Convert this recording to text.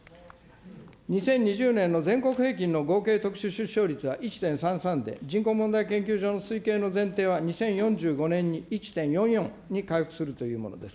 ２０２０年の全国平均の合計特殊出生率は１．３３で、人口問題研究所の推計の前提は２０４５年に１．４４に回復するというものです。